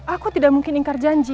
aku tidak mungkin ingkar janji